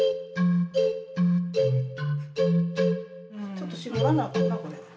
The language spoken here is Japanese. ちょっと搾らなあかんなこれ。